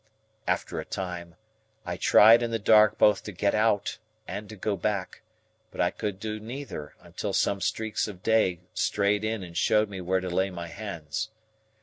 After a time, I tried in the dark both to get out, and to go back, but I could do neither until some streaks of day strayed in and showed me where to lay my hands.